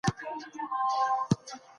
هغې د خپل مالک مننه وکړه.